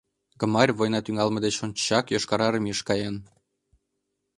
Гмарь война тӱҥалме деч ончычак Йошкар Армийыш каен.